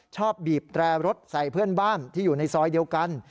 ชอบบีบแตรรถใส่เพื่อนบ้านที่อยู่ในซอยเดียวกัน